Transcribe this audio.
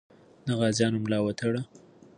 د غازیانو ملا وتړه.